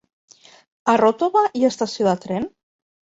A Ròtova hi ha estació de tren?